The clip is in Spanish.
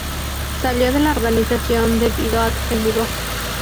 Salió de la organización debido a que se mudó.